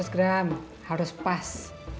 lima ratus gram harus pas